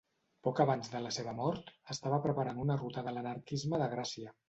Poc abans de la seva mort, estava preparant una ruta de l'anarquisme de Gràcia.